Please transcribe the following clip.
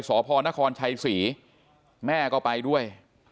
สพนครชัยศรีแม่ก็ไปด้วย